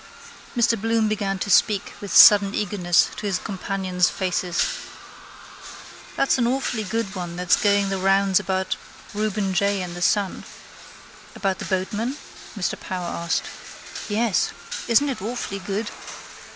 Mr Bloom began to speak with sudden eagerness to his companions' faces. —That's an awfully good one that's going the rounds about Reuben J and the son. —About the boatman? Mr Power asked. —Yes. Isn't it awfully good?